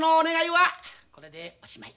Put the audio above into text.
はい。